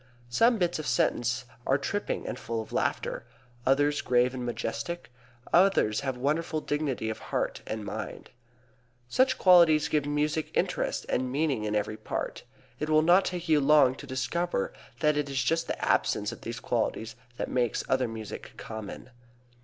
Some bits of sentence are tripping and full of laughter, others grave and majestic, others have wonderful dignity of heart and mind. Such qualities give music interest and meaning in every part. It will not take you long to discover that it is just the absence of these qualities that makes other music common.